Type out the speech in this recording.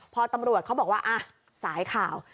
พอตำรวจเขาบอกว่าสายข่าว